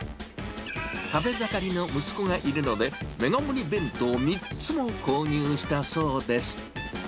食べ盛りの息子がいるので、メガ盛り弁当３つも購入したそうです。